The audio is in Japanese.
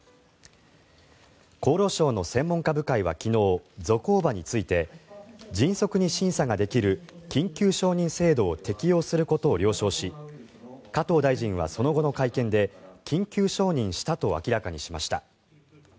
厚労省の専門家部会は昨日ゾコーバについて迅速に審査ができる緊急承認制度を適用することを了承し加藤大臣はその後の会見で緊急承認したと明らかにしました。